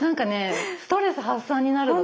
ストレス発散になるの。